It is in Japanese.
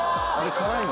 辛いの？